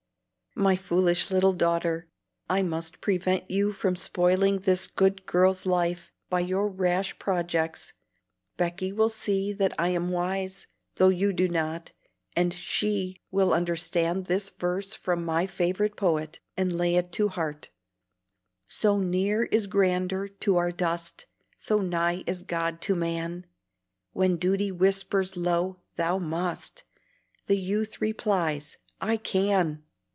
"My foolish little daughter, I must prevent you from spoiling this good girl's life by your rash projects. Becky will see that I am wise, though you do not, and SHE will understand this verse from my favorite poet, and lay it to heart: "So near is grandeur to our Dust, So nigh is God to man, When Duty whispers low, 'Thou must!' The youth replies, 'I can!'"